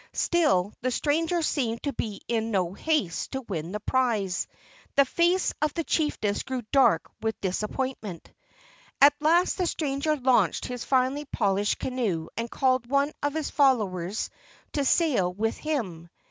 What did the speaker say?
Still the stranger seemed to be in no haste to win the prize. The face of the chiefess grew dark with disappointment. At last the stranger launched his finely polished canoe and called one of his followers to sail with him.